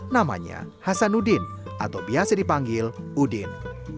namanya hasan udin atau biasa dipanggil udin